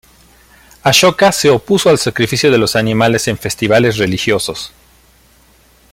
Ashoka se opuso al sacrificio de los animales en festivales religiosos.